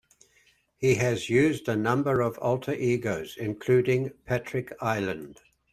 He has used a number of alter egos, including Patrick Ireland.